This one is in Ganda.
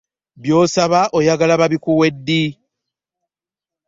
By'osaba oyagala babikuwe ddi?